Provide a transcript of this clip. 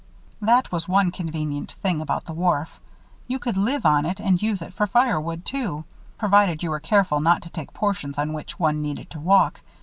That was one convenient thing about the wharf. You could live on it and use it for firewood, too, provided you were careful not to take portions on which one needed to walk.